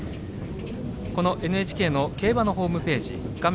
このＮＨＫの競馬のホームページ画面